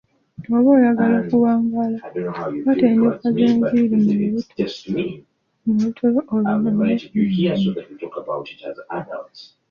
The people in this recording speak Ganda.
Oba oyagala okuwangaala, kwata enjoka zo eziri mu lubuto lwo lw'onoofuna emirembe.